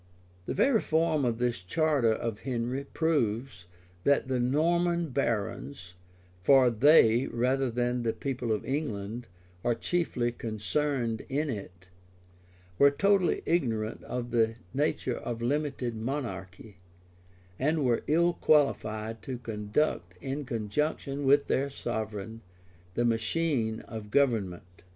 The very form of this charter of Henry proves, that the Norman barons (for they, rather than the people of England, are chiefly concerned in it,) were totally ignorant of the nature of limited monarchy, and were ill qualified to conduct, in conjunction with their sovereign, the machine of government.